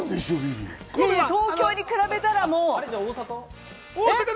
東京に比べたら、もう。